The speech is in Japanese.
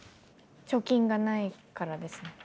貯金がないからですね。